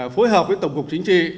phối hợp với tổng cục chính trị